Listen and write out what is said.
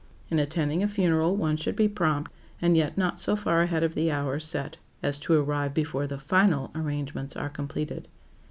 In attending a funeral one should be prompt, and yet not so far ahead of the hour set as to arrive before the final arrangements are completed.